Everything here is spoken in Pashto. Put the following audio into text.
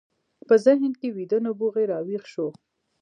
په ذهن کې ويده نبوغ يې را ويښ شو.